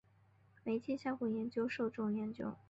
媒介效果研究受众研究